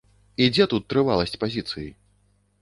І дзе тут трываласць пазіцыі?